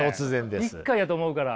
一回やと思うから。